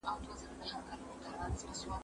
هغه څوک چي کتابتون ته راځي ارام اخلي؟!